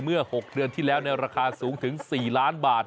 เมื่อ๖เดือนที่แล้วในราคาสูงถึง๔ล้านบาท